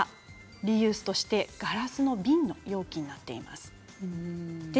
リユースとしてガラスの瓶の容器になっています。